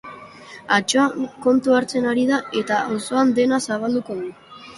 Atsoa kontu hartzen ari da eta auzoan dena zabalduko du.